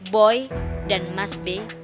boy dan mas b